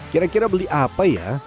kira kira beli apa ya